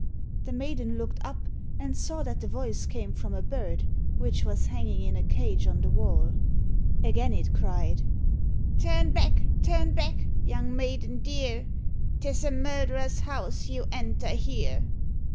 The maiden looked up, and saw that the voice came from a bird, which was hanging in a cage on the wall. Again it cried, "Turn back, turn back, young maiden dear, 'Tis a murderer's house you enter here."